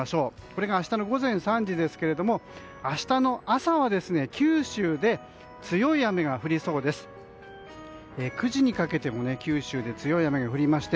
これが明日の午前３時ですが明日の朝は九州で強い雨が降りそうです。